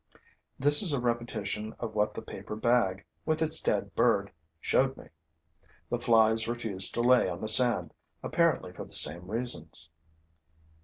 This is a repetition of what the paper bag, with its dead bird, showed me. The flies refuse to lay on the sand, apparently for the same reasons.